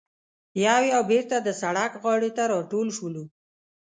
یو یو بېرته د سړک غاړې ته راټول شولو.